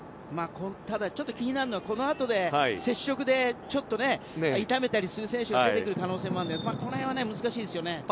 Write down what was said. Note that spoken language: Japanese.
ただ、ちょっと気になるのは、このあとに接触でちょっと、痛めたりする選手が出てくる可能性がありますがこの辺は難しいですよね。